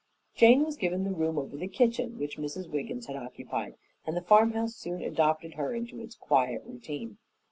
Jane was given the room over the kitchen which Mrs. Wiggins had occupied, and the farmhouse soon adopted her into its quiet routine.